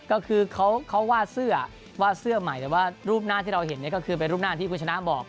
ก็คือเขาวาดเสื้อว่าเสื้อใหม่แต่ว่ารูปหน้าที่เราเห็นก็คือเป็นรูปหน้าที่คุณชนะบอก